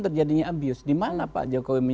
terjadinya abuse dimana pak jokowi